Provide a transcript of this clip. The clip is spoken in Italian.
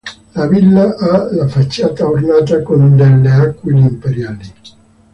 La villa ha la facciata ornata con delle aquile imperiali.